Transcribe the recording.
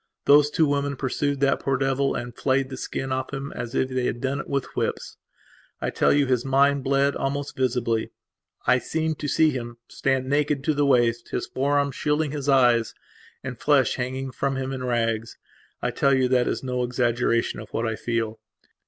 Those two women pursued that poor devil and flayed the skin off him as if they had done it with whips. I tell you his mind bled almost visibly. I seem to see him stand, naked to the waist, his forearms shielding his eyes, and flesh hanging from him in rags. I tell you that is no exaggeration of what I feel.